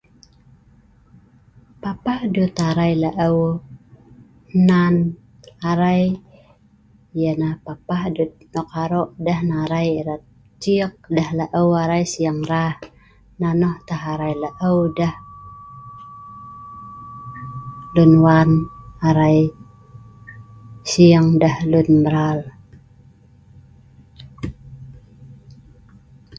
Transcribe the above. Papah duet arai laeu hnan arai ia nah papah nok aroq deeh nah arai erat ciek deeh laeu arai sieng arai raa’. Nonoh tah tah arai laeu deeh luen wan arai sieng deeh luen mbraa